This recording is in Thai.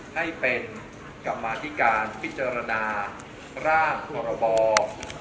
ให้เป็นกรรมาธิการพิจารณาร่างพรบ